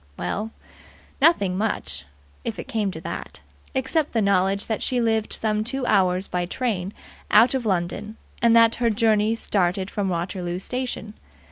Well, nothing much, if it came to that, except the knowledge that she lived some two hours by train out of London, and that her journey started from Waterloo Station.